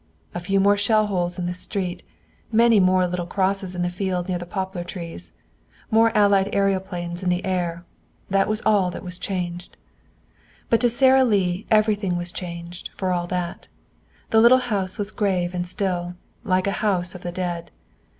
A few more shell holes in the street, many more little crosses in the field near the poplar trees, more Allied aëroplanes in the air that was all that was changed. But to Sara Lee everything was changed, for all that. The little house was grave and still, like a house of the dead.